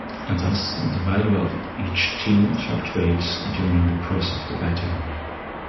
Thus the value of each team fluctuates during the course of the betting.